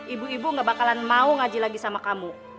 ibu ibu gak bakalan mau ngaji lagi sama kamu